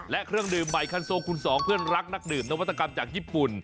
และเครื่องดื่มใหม่คันโซคูณ๒เพื่อนรักนักดื่มนวัตกรรมจากญี่ปุ่น